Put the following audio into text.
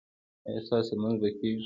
ایا ستاسو لمونځ به کیږي؟